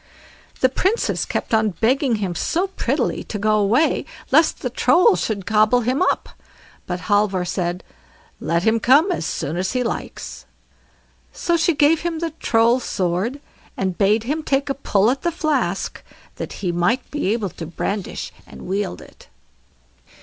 The Princess kept on begging him so prettily to go away, lest the Troll should gobble him up, but Halvor said: "Let him come as soon as he likes." So she gave him the Troll's sword, and bade him take a pull at the flask, that he might be able to brandish and wield it.